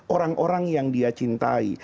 orang orang yang dia cintai